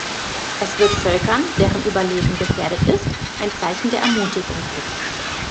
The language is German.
Es wird Völkern, deren Überleben gefährdet ist, ein Zeichen der Ermutigung geben.